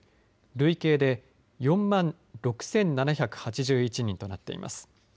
累計で４万６７８１人となっています。